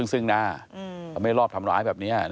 ซึ่งหน้าเขาไม่รอบทำร้ายแบบนี้